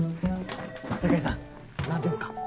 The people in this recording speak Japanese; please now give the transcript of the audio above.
酒井さん何点っすか？